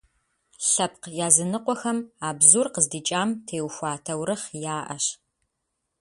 Лъэпкъ языныкъуэхэм а бзур къыздикӏам теухуа таурыхъ яӏэщ.